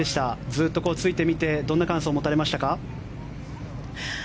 ずっとついてみてどんな感想を持たれましたか。